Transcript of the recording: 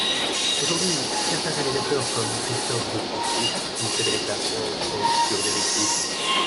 Aujourd'hui, certains réalisateurs comme Christophe de Ponfilly ou Frédéric Laffont font figures d'héritiers.